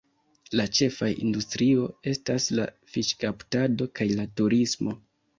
La ĉefaj industrio estas la fiŝkaptado kaj la turismo.